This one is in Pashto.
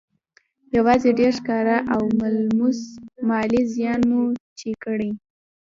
يوازې ډېر ښکاره او ملموس مالي زيان مو چې کړی